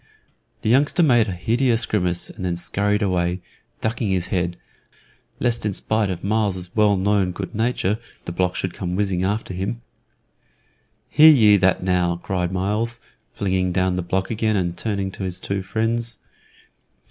The youngster made a hideous grimace, and then scurried away, ducking his head, lest in spite of Myles's well known good nature the block should come whizzing after him. "Hear ye that now!" cried Myles, flinging down the block again and turning to his two friends.